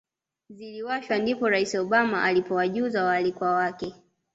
ziliwashwa ndipo Rais Obama alipowajuza waalikwa wake